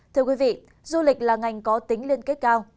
thưa quý vị du lịch là ngành có tính liên kết cao